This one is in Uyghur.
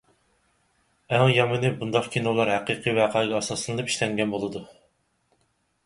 ئەڭ يامىنى، بۇنداق كىنولار ھەقىقىي ۋەقەگە ئاساسلىنىپ ئىشلەنگەن بولىدۇ.